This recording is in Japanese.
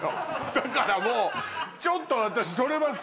だからもうちょっと私それは分かる。